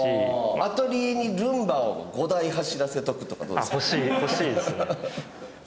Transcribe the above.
アトリエにルンバを５台走らせておくとかどうですか？